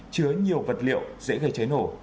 chứa nhiều vật liệu dễ gây cháy nổ